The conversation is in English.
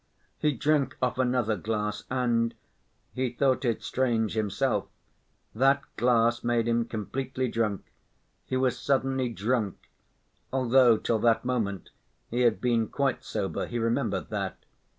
He drank off another glass, and—he thought it strange himself—that glass made him completely drunk. He was suddenly drunk, although till that moment he had been quite sober, he remembered that.